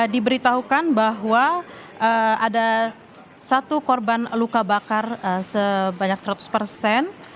diberitahukan bahwa ada satu korban luka bakar sebanyak seratus persen